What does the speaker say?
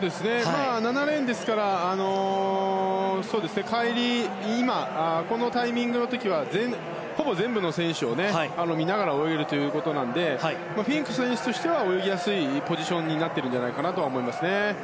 ７レーンですから帰り、このタイミングの時はほぼ全部の選手を見ながら泳げるのでフィンク選手としては泳ぎやすいポジションになってるんじゃないかと思いますね。